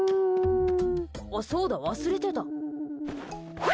あっ、そうだ、忘れてた！